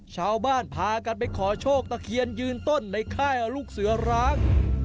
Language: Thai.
ชาวบ้านพากันไปขอโชคตะเคียนยืนต้นในค่ายลูกเสือร้าง